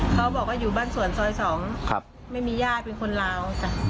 เขาบอกว่าอยู่บ้านสวนซอย๒ไม่มีญาติเป็นคนลาวจ้ะ